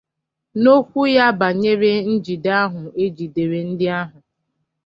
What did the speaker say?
N'okwu ya banyere njide ahụ e jidere ndị ahụ